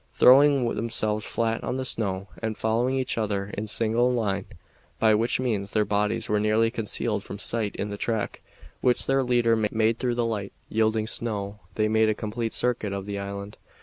Throwing themselves flat on the snow and following each other in single line, by which means their bodies were nearly concealed from sight in the track which their leader made through the light, yielding snow, they made a complete circuit of the island.